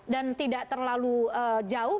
dan tidak terlalu jauh